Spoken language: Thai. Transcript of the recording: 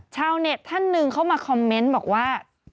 ชาวเน็ตท่านหนึ่งเข้ามาคอมเมนต์บอกว่า